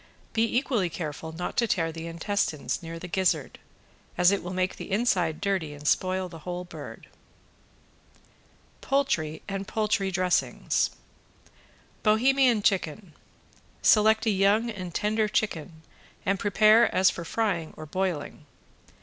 Be equally careful not to tear the intestines near the gizzard, as it will make the inside dirty and spoil the whole bird. POULTRY AND POULTRY DRESSINGS ~BOHEMIAN CHICKEN~ Select a young and tender chicken and prepare as for frying or broiling.